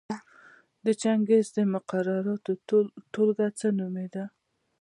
د چنګیز د مقرراتو ټولګه څه نومېده؟